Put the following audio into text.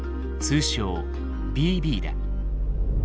通称「ＢＢ」だ。